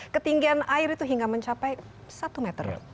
ketinggian air itu hingga mencapai satu meter